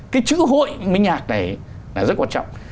cái chữ hội mới nhạc này là rất quan trọng